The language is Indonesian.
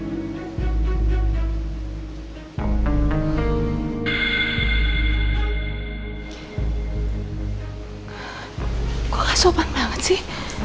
pintunya belum dibukain kok dia udah masuk